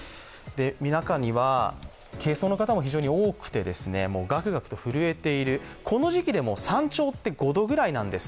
中には軽装の方も非常に多くてガクガクと震えている、この時期でも山頂って５度ぐらいなんです。